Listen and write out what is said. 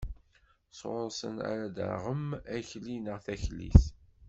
Sɣur-sen ara d-taɣem akli neɣ taklit.